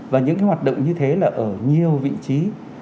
và những cái hoạt động như thế là ở nhiều vị trí